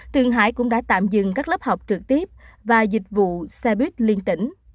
tường hải cũng đã tạm dừng các lớp học trực tiếp và dịch vụ xe buýt liên tỉnh